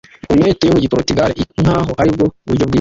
onnet yo mu Giporutugali ia nkaho aribwo buryo bwiza